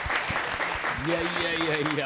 いやいやいやいや。